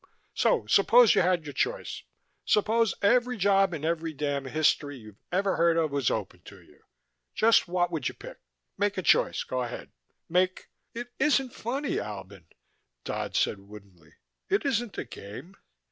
So suppose you had your choice. Suppose every job in every damn history you've ever heard of was open to you. Just what would you pick? Make a choice. Go ahead, make " "It isn't funny, Albin," Dodd said woodenly. "It isn't a game."